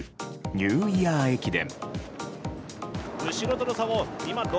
ニューイヤー駅伝。